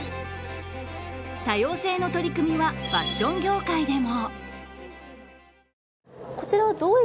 多様性の取り組みはファッション業界でも。